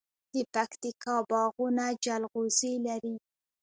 د پکتیکا باغونه جلغوزي لري.